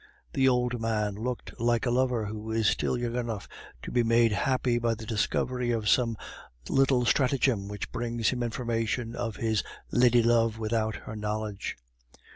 The old man looked like a lover who is still young enough to be made happy by the discovery of some little stratagem which brings him information of his lady love without her knowledge.